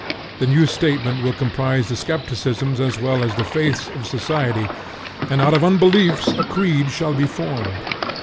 The new statement will comprise the skepticisms as well as the faiths of society, and out of unbeliefs a creed shall be formed.